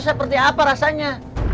seperti apa rasanya